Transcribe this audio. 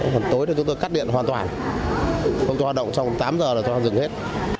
hẳn tối thì chúng tôi cắt điện hoàn toàn không cho hoạt động trong tám giờ là cho dừng hết